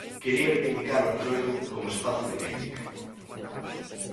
Quería reivindicar o entroido como espazo de crítica.